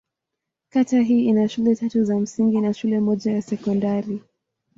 Kata hii ina shule tatu za msingi na shule moja ya sekondari.